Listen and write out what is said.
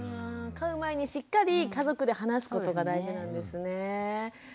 飼う前にしっかり家族で話すことが大事なんですね。